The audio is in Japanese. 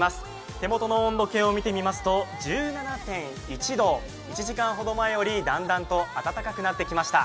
手元の温度計を見てみますと１７．１度、１時間前よりだんだんと暖かくなってきました。